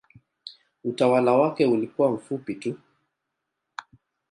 Utawala wake ulikuwa mfupi tu.